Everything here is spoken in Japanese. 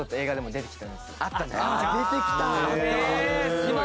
出てきた！